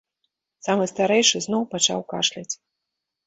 Самы старэйшы зноў пачаў кашляць.